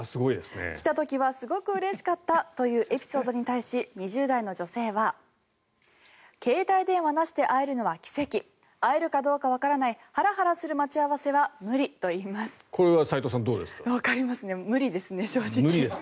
来た時はすごくうれしかったというエピソードに対し２０代の女性は携帯電話なしで会えるのは奇跡会えるかどうかわからないハラハラする待ち合わせは無理と言います。